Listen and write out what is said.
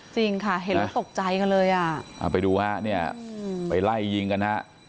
จริงค่ะเห็นแล้วตกใจกันเลยอ่ะเอาไปดูฮะเนี่ยไปไล่ยิงกันฮะ